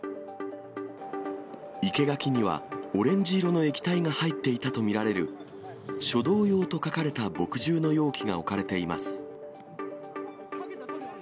生け垣にはオレンジ色の液体が入っていたと見られる、書道用と書かれた墨汁の容器が置かれています。